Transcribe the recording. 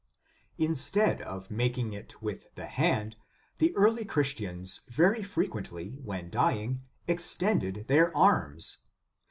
"f Instead of making it with the hand, the early Christians very frequently, when dying, extended their arms.